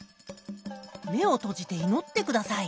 目を閉じて祈ってください。